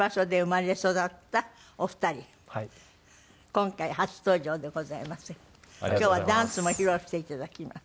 今回初登場でございますが今日はダンスも披露して頂きます。